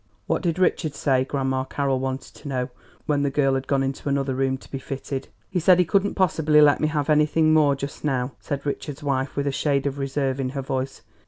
"What did Richard say?" Grandma Carroll wanted to know, when the girl had gone into another room to be fitted. "He said he couldn't possibly let me have anything more just now," said Richard's wife with a shade of reserve in her voice.